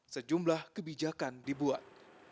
sejumlah kebijakan dibuat